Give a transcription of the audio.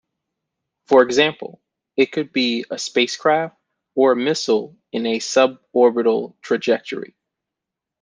For example, it could be a spacecraft or missile in a suborbital trajectory.